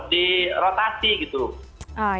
dan ini memungkinkan orang untuk fokus di layanan